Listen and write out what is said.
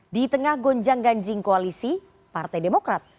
di tengah gonjang ganjing koalisi partai demokrat